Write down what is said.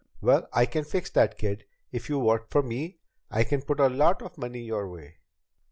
Well, I can fix that, kid. If you work for me, I can put a lot of money your way."